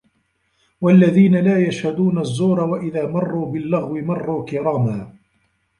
وَالَّذينَ لا يَشهَدونَ الزّورَ وَإِذا مَرّوا بِاللَّغوِ مَرّوا كِرامًا